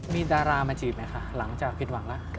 มีดารามาจีบไหมคะหลังจากผิดหวังแล้ว